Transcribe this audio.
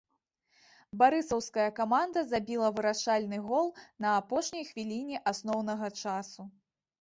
Барысаўская каманда забіла вырашальны гол на апошняй хвіліне асноўнага часу.